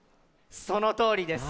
そのとおりです！